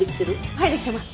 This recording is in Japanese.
はいできてます。